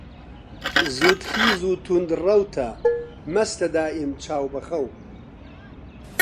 زوودخیز و توند ڕەوتە، مەستە دائیم چاو بە خەو